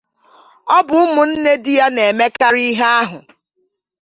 Ọ bụ ụmụnne di ya na-emekarị ihe ahụ